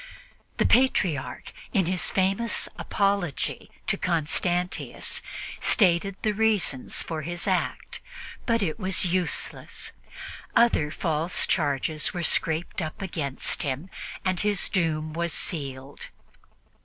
The Patriarch, in his famous "Apology to Constantius," stated the reasons for his act, but it was useless; other false charges were scraped up against him, and his doom was sealed.